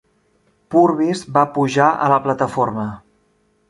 Purvis va pujar a la plataforma.